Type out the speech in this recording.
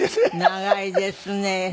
長いですね。